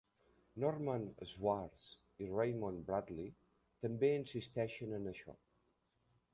Norman Swartz i Raymond Bradley també insisteixen en això.